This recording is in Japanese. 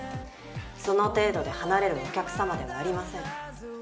その程度で離れるお客さまではありません。